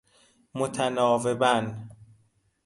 متناوباً